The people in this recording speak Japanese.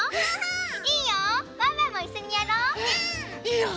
いいよ。